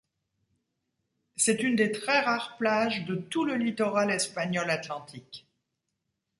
C'est une des très rares plages de tout le littoral espagnol atlantique.